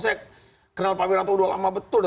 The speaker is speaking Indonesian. saya kenal pak wiranto udah lama betul